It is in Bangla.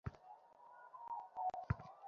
কীসে সাপটার চামড়া ওভাবে ছিললো?